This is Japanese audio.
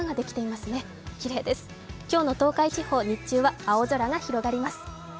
きれいです、今日の東海地方、日中は青空が広がります。